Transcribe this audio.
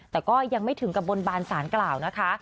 แต่ก็ยังไม่ถึงกับบนบานสารกล่าวนะคะ